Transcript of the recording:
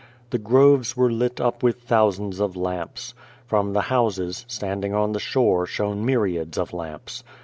The groves were lit up with thousands of lamps. From the houses standing on the shore shone myriads of lamps.